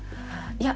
いや。